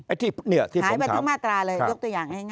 ที่หายไปทั้งมาตราเลยยกตัวอย่างง่าย